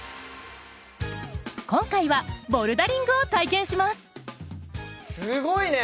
今回はボルダリングを体験しますすごいね！